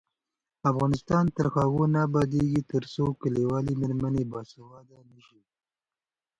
افغانستان تر هغو نه ابادیږي، ترڅو کلیوالې میرمنې باسواده نشي.